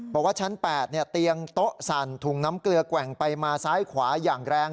บอกว่าชั้น๘เตียงโต๊ะสั่นถุงน้ำเกลือแกว่งไปมาซ้ายขวาอย่างแรง